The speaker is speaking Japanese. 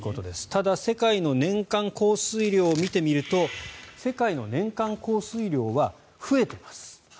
ただ、世界の年間降水量を見てみると世界の年間降水量は増えています。